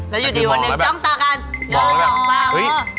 แล้วอยู่ดีว่านึกจ้องตากัน